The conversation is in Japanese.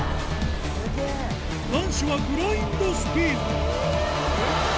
男子はグラインドスピン